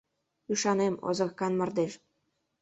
Ӱшанем, озыркан мардеж».